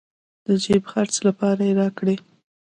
د جېب خرڅ لپاره راكړې.